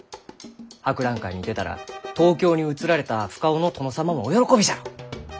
博覧会に出たら東京に移られた深尾の殿様もお喜びじゃろう！